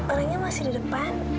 orangnya masih di depan